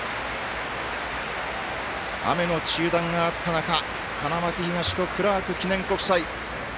雨の中断があった中花巻東とクラーク記念国際。